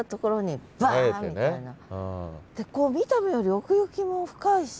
見た目より奥行きも深いし。